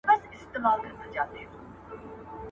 څنګه کولای سو ښه سياسي نظام رامينځته کړو؟